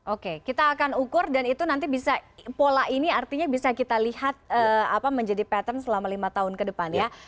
oke kita akan ukur dan itu nanti bisa pola ini artinya bisa kita lihat menjadi pattern selama lima tahun ke depan ya